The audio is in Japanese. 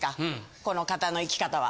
この方の生き方は。